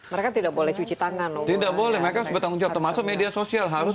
mereka tidak boleh cuci tangan tidak boleh mereka harus bertanggung jawab termasuk media sosial harus